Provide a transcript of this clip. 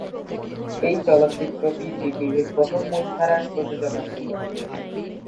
এই চলচ্চিত্রটি জি টিভির প্রথম মূলধারার প্রযোজনা ছিল।